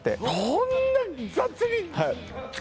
そんな雑に？